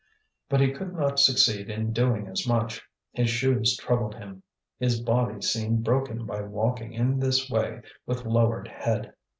But he could not succeed in doing as much; his shoes troubled him, his body seemed broken by walking in this way with lowered head.